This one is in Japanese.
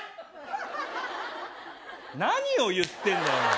何を言ってんだよお前！